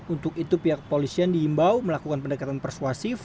untuk itu pihak polisian diimbau melakukan pendekatan persuasif